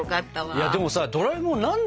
いやでもさドラえもん